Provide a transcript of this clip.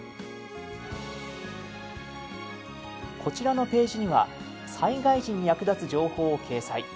こちらのページには災害時に役立つ情報を掲載。